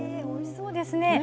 おいしそうですね。